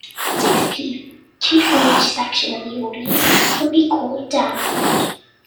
Six people, two from each section of the audience, would be called down.